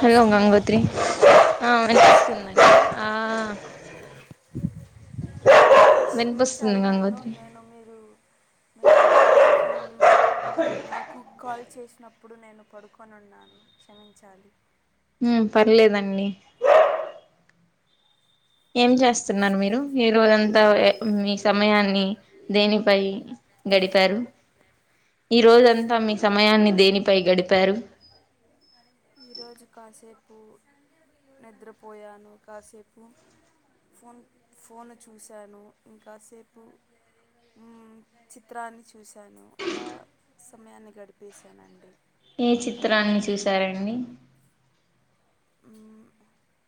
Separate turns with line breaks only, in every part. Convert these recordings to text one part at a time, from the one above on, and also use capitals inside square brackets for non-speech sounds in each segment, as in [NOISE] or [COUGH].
Hello Gangotri ఆ వినిపిస్తుంది
వినిపిస్తోందండి
ఆ వినిపిస్తుంది
క్షమించాలి నన్ను
గంగోత్రి
నేను మీరు మీరు ఉమ్ కాల్ చేసినప్పుడు నేను పడుకొని ఉన్నాను క్షమించాలి
ఉమ్ పర్లేదండి ఏం చేస్తున్నారు మీరు ఈ రోజంతా మీ సమయాన్ని దేనిపై గడిపారు ఈ రోజంతా మీ సమయాన్ని దేనిపై గడిపారు
ఈరోజు కాసేపు నిద్రపోయాను కాసేపు ఫోన్ ఫోన్ చూశాను ఇంకాసేపు ఉమ్ చిత్రాన్ని చూశాను అలా సమయాన్ని గడిపేశానండి
ఏ
మరి మీ
చిత్రాన్ని చూసారంండి
మ్,
అ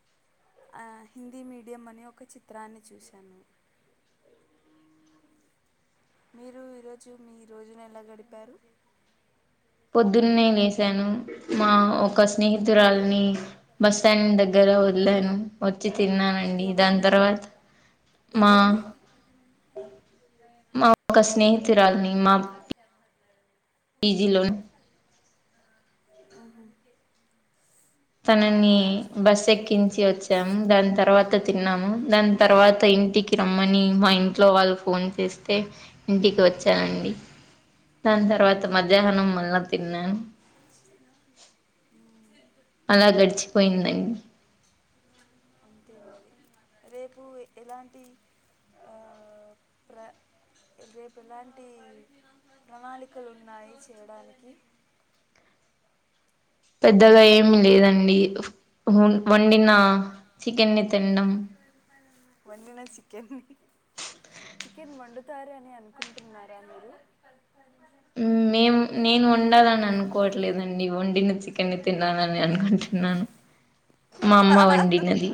ఆ హిందీ మీడియం అని ఒక చిత్రాన్ని చూశాను మీరు ఈరోజు మీ రోజున ఎలా గడిపారు
పొద్దున్నే లేసాను మా ఒక
ఉమ్,
స్నేహితురాలని బస్టాండ్ దగ్గర ఉండే వచ్చిది తిన్నానండి దాని
ఎవరిని
తర్వాత మా
ఎవరిని
మా అక్క స్నేహితురాల్ని మా బిజీలో
అ ఓహా
తనని బస్ ఎక్కించి
ఉమ్,
వచ్చాము దాని తర్వాత తిన్నాము దాని తర్వాత ఇంటికి రమ్మని మా ఇంట్లో వాళ్ళు ఫోన్ చేస్తే ఇంటికి వచ్చానండి దాని తర్వాత మధ్యాహ్నం మళ్ళా తిన్నాను ఉ
ఉమ్,
అలా గడిచిపోయిందండి
అంతే
ఆ
మరి రేపు ఎలాంటి రేపు ఎలాంటి ప్రణాళికలు ఉన్నాయి చేయడానికి
ఇంకా పెద్దగా ఏమి లేదండి వండిన చికెనీ తినడం
వండిన చికెన్ చికెన్ వండుతారు అని అనుకుంటున్నారా మీరు
మేం నేను వండాలని అనుకోవట్లేదండి వండిన ఎక్కని తిన్నానని అనుకుంటున్నాను మా అమ్మ వడినది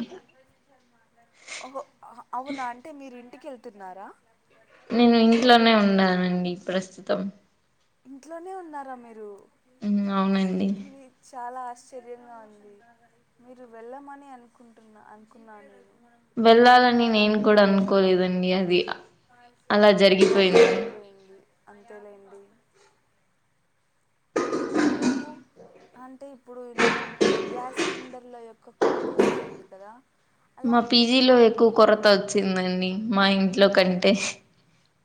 హో అవునా అంటే మీరు ఇంటికి వెళ్తున్నారా
నేను ఇంట్లోనే ఉన్నానండి ప్రస్తుతం
ఇంట్లోనే ఉన్నారా మీరు
అవునండి
ఇది చాలా ఆశ్చర్యంగా ఉంది మీరు వెళ్ళమని అనుకుంటున్న అనుకున్నాను
వెళ్ళాలని నేను కూడా అనుకోలేదండి అది
అలా జరిగిపోయింది అంతేలేండి మీకు అంటే ఇప్పుడు ఇలా గ్యాస్ సిలిండర్ల యొక్క కొరత వస్తుంది కదా అలా
మా పీజీలో
పెట్రోల్
ఎక్కువ కొరత వచ్చిందండి మా ఇంట్లో
మా
కంటే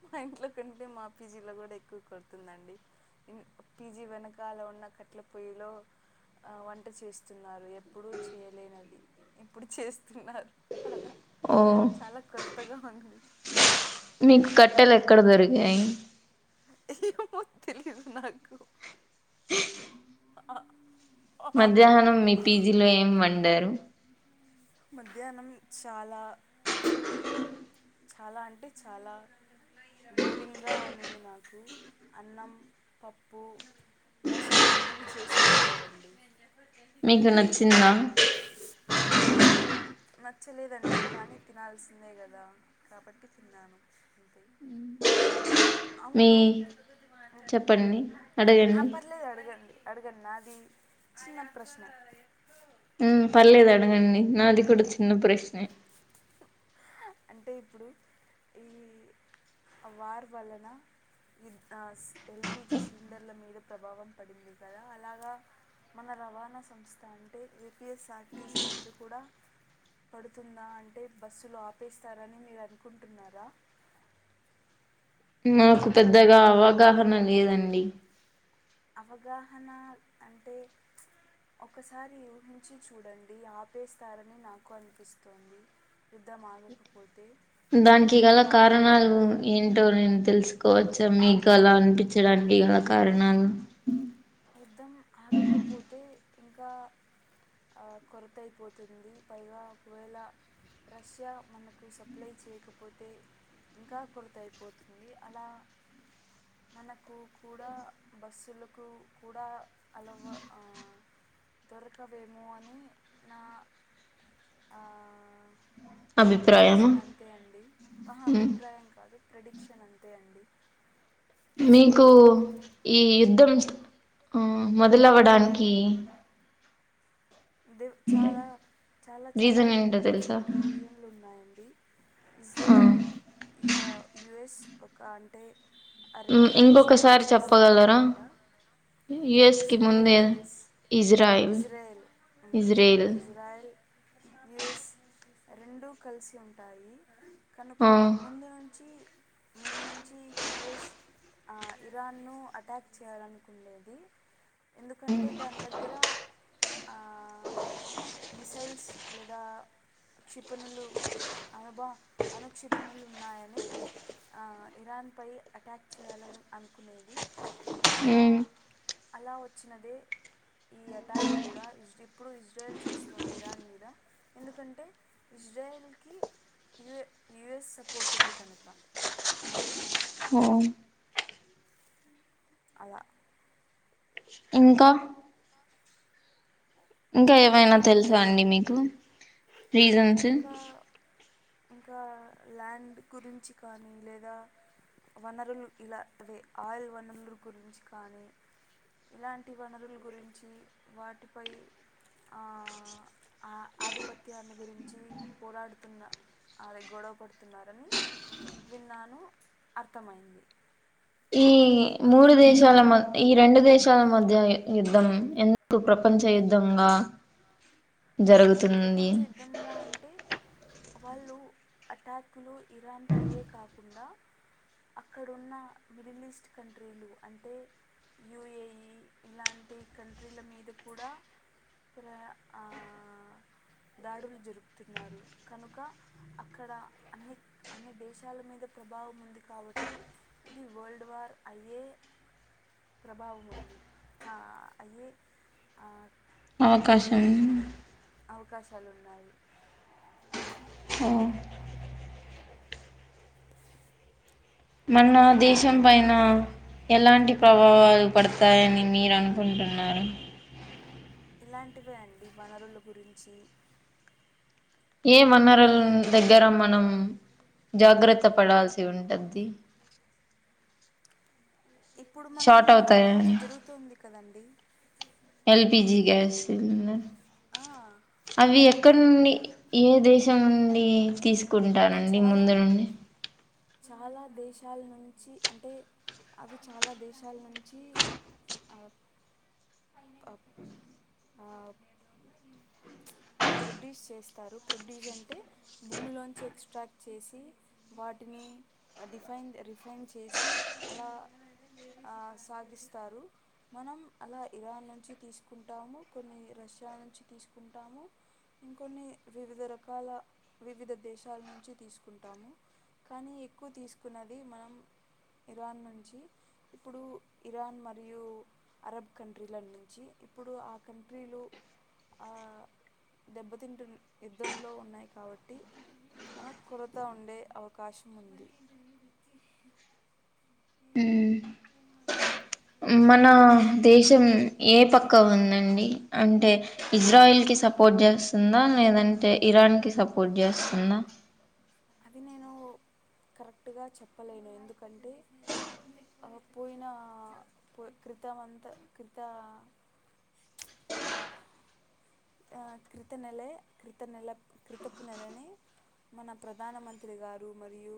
మా ఇంట్లో కంటే మా పీజీలో కూడా ఎక్కువ కొరతుందండి పీజీ వెనకాల ఉన్న కట్ల పొయ్యిలో ఆ వంట చేస్తున్నారు ఎప్పుడు చేయలేనిది ఇప్పుడు చేస్తున్నారు అలా
ఓ
చాలా కొరతగా ఉంది
మీకు కట్టెలు ఎక్కడ దొరికాయి
ఏమో తెలీదు నాకు అ
మధ్యాహ్నం మీ పీజీలో ఏం వండారు
మధ్యాహ్నం చాలా చాలా అంటే చాలా బోరింగా ఉంది నాకు అన్నం పప్పు రసం ఇవి చేసి పెట్టారండి
మీకు నచ్చిందా
నాకు నచ్చలేదండి కానీ తినాల్సిందే కదా కాబట్టి తిన్నాను అంతే
మీ
అవును
చెప్పండి
ఆ
అడగండి
పర్లేదు అడగండి అడగండి నాది చిన్న ప్రశ్న
ఉ పర్లేద అడుగండి నాది కూడా కూడా చిన్న ప్రశ్న్
అంటే ఇప్పుడు ఈ వార్ వల్లన ఇ ఆ ఎల్పిజి సిలిండర్ల మీద ప్రభావం పడింది కదా అలాగా మన రవాణా సంస్థ అంటే ఏపీఎస్ఆర్టీసీ మీద కూడా పడుతుందా అంటే బస్సులో ఆ చెస్తారని మీరు అనుకుంటున్నారా
నాకు పెద్దగా అవగాహన లేదండి
అవగాహన అంటే ఒకసారి ఊహించి చూడండి ఆపేస్తారని నాకు అనిపిస్తోంది యుద్ధం ఆగకపోతే
దానికి గల
యుద్ధం
కారణాలుఎ
ఆగకపోతే
ఏంటో నేను తెలుసుకోవచ్చ మీకు అలా అనిపించడానికి అలా కారణాలు
యుద్ధం ఆగకపోతే ఇంకా కొరతైపోతుంది పైగా ఒకవేళ రష్యా మనకు సప్లై చేయకపోతే ఇంకా కొరత అయిపోతుంది అలా మనకు కూడా బస్సులకు కూడా హలవ ఆ దొరకవేమో అని నా
అభిప్రాయము
ప్రెడిక్షన్ అంతే అండి ఆహ
మ్.
అభిప్రాయం కాదు ప్రడిక్షన్ అంతే అండి
మీకు ఈ యుద్ధం ఇస్ ఊ మొదలవ్వడానికి
దే చాలా చాలా చాలా
రీజన్ ఏంటో తెలుసా
డిఫరెంట్ రీజన్లు ఉన్నాయండి
ఆ
ఇజ్రాయిల్ య యుఎస్ ఒక అంటే ఆ
మ్
రెండు కలిసి పనిచేస్తాయన్నమాట
యూఎస్ క
ఇజ్రాయెల్
ముందే
US
Israel Israel
Israel US రెండూ కలిసి ఉంటాయి కనుక
ఆ
ముందు నుంచి ముందు నుంచి యుఎస్ ఆ ఇరాన్ను అటాక్ చేయాలనుకుండేది ఎందుకంటే దాని దగ్గర ఆ మసైల్స్ లేదా క్షిపణులు అనుభా అనుక్షిపణులు ఉన్నాయని ఆ ఇరాన్ పై అటాక్ చేయాలని అనుకునేది అలా
మ్.
అలా వచ్చినదే ఈ అటాక్ కూడా హచ్డడి ఇప్పుడు ఇజ్రాయల్ చేస్తోంది ఇరాన్ మీద ఎందుకంటే ఇజ్రాయిల్ కి యుఎ యుఎస్ సపోర్టు ఉంది కనుక
ఓ
అలా
ఇంకా ఇంకా ఏమైనా
అంటే
తెలుసా అండి మీకు రీజన్స్
ఇంకా ఇంకా ల్యాండ్ గురించి కానీ లేదా వనరులు ఇలా అవే ఆయిల్ వనరుల గురించి కానీ ఇలాంటి వనరుల గురించి వాటిపై ఆ అది పతి అన్న గురించి ంచి పోరాడుతున్న అది గొడవ పడుతున్నారని విన్నాను అర్థమైంది
ఇ ఈ మూడు దేశాల మ ఈ రెండు దేశాల మధ్య యుద్ధం ఎందుకు ప్రపంచ యుద్ధం ఆ జరుగుతుంది
ప్రపంచ యుద్ధంగా అంటే వాళ్ళు అటాకులు ఇరాన్ పై కాకుండా అక్కడున్న మిడిల్ ఈస్ట్ కంట్రీలు అంటే యూఏఈ ఇలాంటి కంట్రీల మీద కూడా ప్రే ఆ దాడులు జరుపుతున్నారు కనుక అక్కడ అన్ని అన్ని దేశాల మీద ప్రభా భావం కాబట్టి ఇది వరల్డ్ వార్ అయ్యే ప్రభావం ఉంది చా అయ్యే ఆ
అవకాశం
అవకాశాలు ఉన్నాయి
ఓ మన దేశం పైన ఎలాంటి ప్రభావాలు పడతాయని మీరనుకుంటున్నారు
ఇలాంటివే అండి వనరుల గురించి
ఏ వనరులు
మరియు
దగ్గర మనం జాగ్రత్త పడాల్సి ఉంటంది
ఇప్పుడు మనం
షార్ట్
మన కృత
అవుతాయని
జరుగుతూంది కదండి
ఎల్పిజి గ్యాస్ సిలిండర్
ఆ
అవి ఎక్కడ నుండి ఏ దేశం నుండి తీసుకుంటానండి
చాలా
ముందు నుండి
చాలా దేశాల నుంచి అంటే అవి చాలా దేశాల నుంచి ఆ ఆ ఆ ప్రొడ్యూస్ చేస్తారు ప్రొడ్యూసన్ భూమిలోంచి ఎక్స్ట్రాక్ట్ చేసి వాటిని డిఫైన్ రిఫైన్ చేసి అ ఆ సాగిస్తారు మనం అలా ఇరాన్ నుంచి తీసుకుంటాము కొన్ని రష్యా నుంచి తీసుకుంటాము. ఇంకొన్ని వివిధ రకాల. వివిధ దేశాల నుంచి తీసుకుంటాము కానీ ఎక్కువ తీసుకున్నది మనం ఇరాన్ నుంచి ఇప్పుడు ఇరాన్ మరియు అరబ్ కంట్రీల నుంచి. ఇప్పుడు ఆ కంట్రీలు దెబ్బతింటు యుద్ధంలో ఉన్నాయి కాబట్టి మనకు కొరత ఉండే అవకాశం ఉంది
[INAUDIBLE] మన దేశం ఏ పక్క ఉందండి అంటే. ఇజ్రాయిల్ కి సపోర్ట్ చేస్తుందా. లేదంటే ఇరాన్ కి సపోర్ట్ చేస్తుందా.
అది నేను కరెక్ట్ గా చెప్పలేను ఎందుకంటే పోయిన పో. క్రితమంతా క్రిత
[INAUDIBLE]
ఆ క్రిత నెలే క్రిత నెల క్రితపు నెలనె మన ప్రధానమంత్రి గారు మరియు.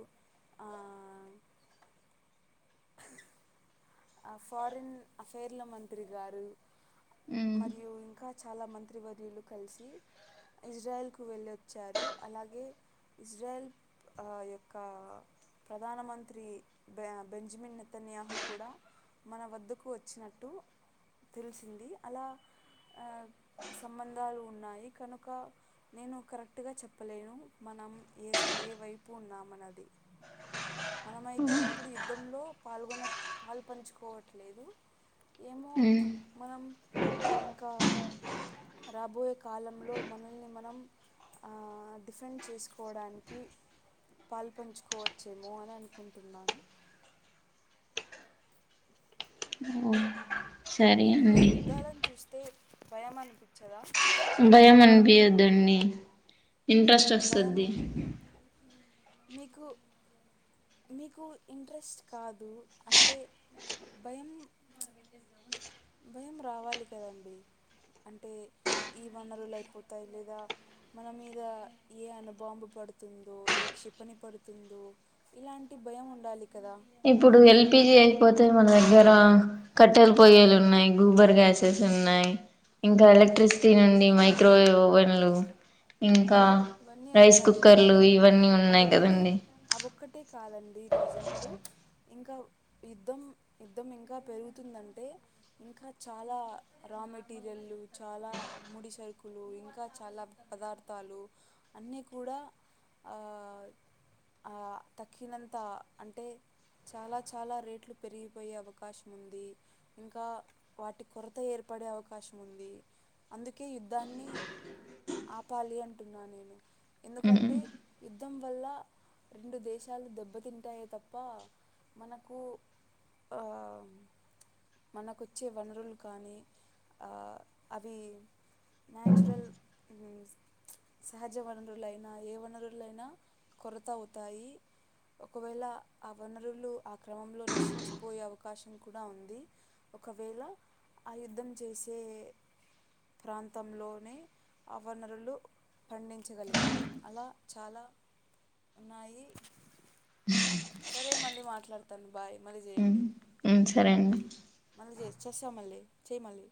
[INAUDIBLE]
ఆ ఫారిన్ అఫైర్ల మంత్రి గారు.
మ్మ్
మరియు ఇంకా చాలా మంత్రివర్యులు కలిసి. ఇజ్రాయల్ కు వెళ్ళొచ్చారు అలాగే ఇజ్రాయల్. ఆ యొక్క ప్రధానమంత్రి బె బెంజమిన్ నెతన్యాహు కూడా మన వద్దకు వచ్చినట్టు తెలిసింది అలా సంబంధాలున్నాయి కనుక నేను కరెక్ట్ గా చెప్పలేను మనం ఏ సై ఏ వైపు ఉన్నామన్నది మనమైతే ఇప్పుడు యుద్ధంలో పాల్గొన్న పాలు పంచుకోవట్లేదు ఏమో
మ్మ్
మనం ఇంకా రాబోయే కాలంలో మనల్ని మనం. డిఫెండ్ చేసుకోవడానికి. పాలు పంచుకోవచ్చుఎమో అని అనుకుంటున్నాను.
సరే
మిఇలా ఇలా
అండి
యుద్ధాలను చూస్తే భయం అనిపించదా
భయం అనిపియద్దండి ఇంట్రెస్ట్
భయం
వస్తది
మీకు మీకు ఇంట్రెస్ట్ కాదు అంటే భయం భయం రావాలి కదండి అంటే ఈ వనరులు అయిపోతాయి లేదా మన మీద ఏ అనుబాంబు పడుతుందో ఏ క్షిపణి పడుతుందో ఇలాంటి భయం ఉండాలి కదా
ఇప్పుడు ఎల్పిజీ అయిపోతే అతే మన దగ్గర కట్టెల పొయ్యలు ఉన్నాయి గూబర్ గ్యాసెస్ ఉన్నాయి ఇంకా ఎలక్ట్రిసిటీ నుండి మైక్రోవేవ్ అవైన్లు ఇం
ఇవన్నీ ఉన్నాయి కానీ
ఇవన్నీ ఉన్నాయి
అదొక్కటి
కదండి
అదొక్కటి కాదని ఈ రీజన్లు. ఇంకా యుద్ధం యుద్ధం ఇంకా పెరుగుతుందంటే ఇంకా చాలా. రా మెటీరియల్లు చాలా ముడి సరుకులు ఇంకా చాలా పదార్థాలు. అన్నీ కూడా ఆ ఆ దక్కినంత అంటే. చాలా చాలా రేట్లు పెరిగిపోయే అవకాశం ఉంది. ఇంకా వాటి కొరత ఏర్పడే అవకాశం ఉంది. అందుకే యుద్ధాన్ని ఆపాలి అం వింటున్న నేను
మ్మ్
ఎందుకంటే వల్ల రెండు దేశాలు దెబ్బతింటాయి తప్ప మనకు ఆ,
[INAUDIBLE]
మనకొచ్చే వనరులు కానీ అ అవి నేచరల్ ఉ సహజ వనరులైనా ఏ వనరులైనా కొరత అవుతాయి ఒకవేళ ఆ వనరులు ఆ క్రమంలో నశించిపోయే అవకాశం కూడా ఉంది ఒకవేళ ఆ యుద్ధం చేసే ప్రాంతంలోనే అవనరులు పండించగలిగితే అలా చాలా ఉన్నాయి సరే మళ్ళీ మాట్లాడతాను బాయ్ మళ్ళీ
ఉమ్
చేయండి
ఉమ్ సరే అండి
మళ్ళీ చే చేస్తా మళ్ళీ చేయ్ మళ్ళీ